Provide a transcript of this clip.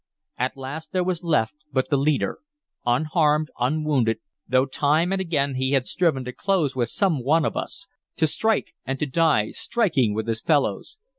At last there was left but the leader, unharmed, unwounded, though time and again he had striven to close with some one of us, to strike and to die striking with his fellows.